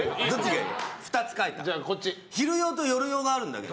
昼用と夜用があるんだけど。